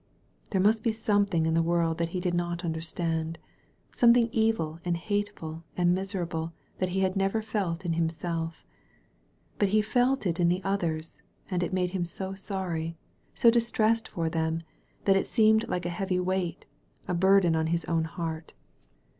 There must be something in the world that he did not understand, something evil and hatefid and miserable that he had never felt in himself. But he felt it in the others, and it made him so sorry, so distressed for them, that it seemed like a heavy weight, a burden on his own heart.